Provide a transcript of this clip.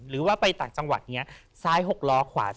หรือว่าไปต่างจังหวัตนี่ซ้าย๖ล้อขวา๑๐ล้อ